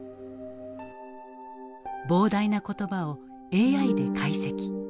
膨大な言葉をＡＩで解析。